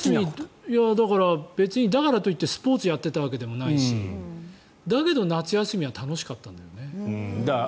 別にだからといってスポーツをやっていたわけでもないしだけど、夏休みは楽しかったんだよね。